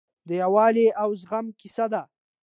د یووالي او زغم کیسه ده.